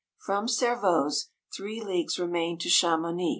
From Servoz three leagues remain to Chamouni.